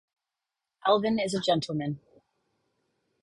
Alvyn is a gentlemen